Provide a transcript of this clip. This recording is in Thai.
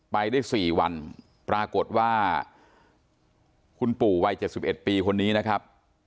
ไปได้๔วันปรากฏว่าคุณปู่วัย๗๑ปีคนนี้นะครับ